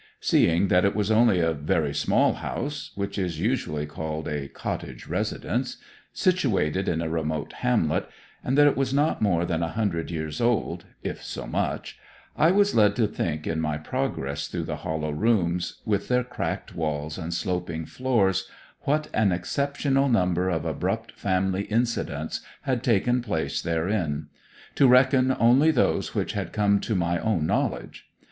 Seeing that it was only a very small house which is usually called a 'cottage residence' situated in a remote hamlet, and that it was not more than a hundred years old, if so much, I was led to think in my progress through the hollow rooms, with their cracked walls and sloping floors, what an exceptional number of abrupt family incidents had taken place therein to reckon only those which had come to my own knowledge.